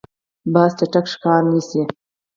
باز چټک ښکار نیسي.